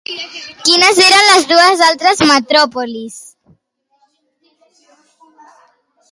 Quines eren les dues altres metròpolis?